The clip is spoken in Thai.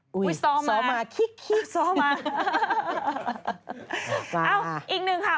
โอ๊ยซ้อมมาซ้อมมาอ้าวอีกหนึ่งค่ะ